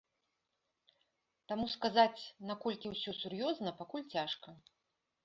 Таму сказаць, наколькі ўсё сур'ёзна, пакуль цяжка.